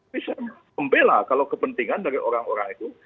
bisa membela kalau kepentingan dari orang orang itu